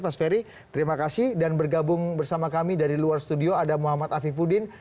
mas ferry terima kasih dan bergabung bersama kami dari luar studio ada muhammad afifuddin